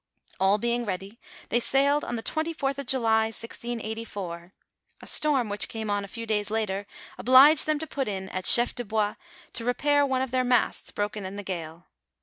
All being ready, they sailed on the 24:th of July, 1684. A storm which came on a few days later, obliged them to put in at Chef de Bois to repair one of their masts broken in the gale.